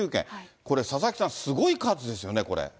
これ、佐々木さん、すごい数です